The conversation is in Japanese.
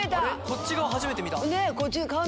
こっち側初めて見た。